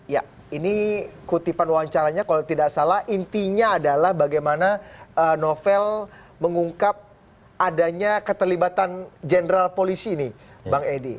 ya ini kutipan wawancaranya kalau tidak salah intinya adalah bagaimana novel mengungkap adanya keterlibatan jenderal polisi nih bang edi